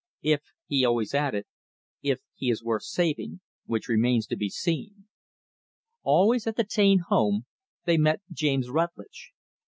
"If" he always added "if he is worth saving; which remains to be seen." Always, at the Taine home, they met James Rutlidge.